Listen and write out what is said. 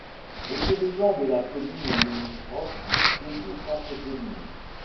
Le territoire de la commune est limitrophe de ceux de quatre communes.